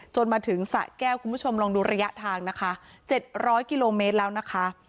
มาถึงสะแก้วคุณผู้ชมลองดูระยะทางนะคะ๗๐๐กิโลเมตรแล้วนะคะ